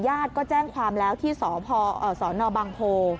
ญาติก็แจ้งความแล้วที่สนบางโพ